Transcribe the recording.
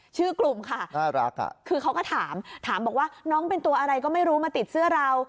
กลุ่มค่ะน่ารักคือเขาก็ถามถามบอกว่าน้องเป็นตัวอะไรก็ไม่รู้มาติดเสื้อเรา